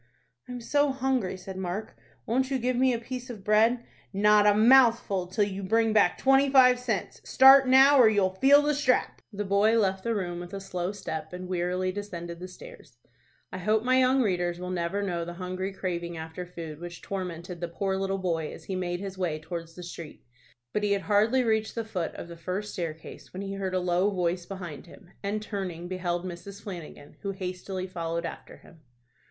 "I'm so hungry," said Mark; "won't you give me a piece of bread?" "Not a mouthful till you bring back twenty five cents. Start now, or you'll feel the strap." The boy left the room with a slow step, and wearily descended the stairs. I hope my young readers will never know the hungry craving after food which tormented the poor little boy as he made his way towards the street. But he had hardly reached the foot of the first staircase when he heard a low voice behind him, and, turning, beheld Mrs. Flanagan, who had hastily followed after him.